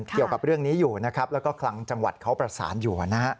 เกี่ยวกับเรื่องนี้อยู่นะครับแล้วก็คลังจังหวัดเขาประสานอยู่